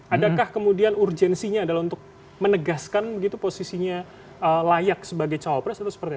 adakah kemudian urgensinya adalah untuk menegaskan begitu posisinya layak sebagai cawapres atau seperti apa